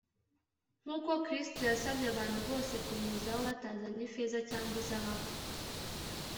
nkuko Kirisitu yasabye abantu bose kumuzaho batazanye ifeza cyangwa izahabu